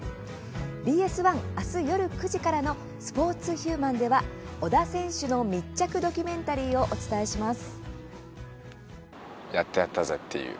ＢＳ１、明日、夜９時からの「スポーツ×ヒューマン」では小田選手の密着ドキュメンタリーをお伝えします。